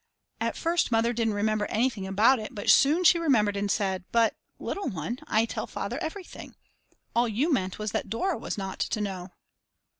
At first Mother didn't remember anything about it, but soon she remembered and said: "But, little one, I tell Father everything. All you meant was that Dora was not to know."